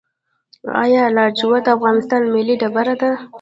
آیا لاجورد د افغانستان ملي ډبره ده؟